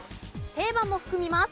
定番も含みます。